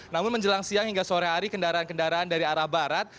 namun menjelang siang hingga sore hari kendaraan kendaraan dari arah barat